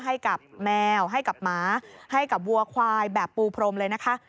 ให้กับแมวให้กับหมาให้กับวัวควายแบบปูพรมเลยนะคะ